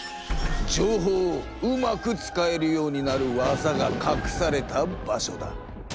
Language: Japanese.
情報をうまく使えるようになる技がかくされた場所だ。